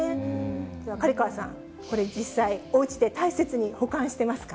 では刈川さん、これ実際、おうちで大切に保管してますか？